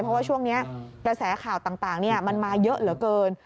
เพราะว่าช่วงนี้กระแสข่าวต่างมันมาเยอะเหลือเกิน